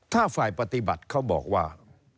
ถ้าฝ่ายปฏิบัติเขาบอกว่า